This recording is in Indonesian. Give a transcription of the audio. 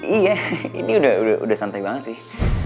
iya ini udah santai banget sih